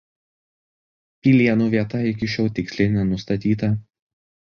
Pilėnų vieta iki šiol tiksliai nenustatyta.